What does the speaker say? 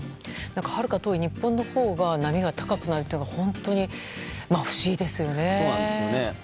はるか遠い日本のほうが波が高くなるというのは本当に不思議ですよね。